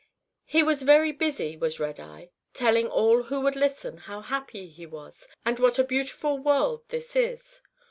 He was very busy, was Redeye, telling all who would listen how happy he was and what a beautiful world this is.